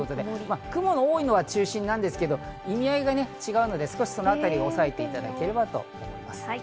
雲が多いのが中心なんですが、意味合いが違うので、そのあたりをおさえていただければと思います。